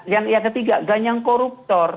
yang ketiga ganyang koruptor